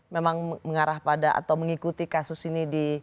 memang mengarah pada atau mengikuti kasus ini di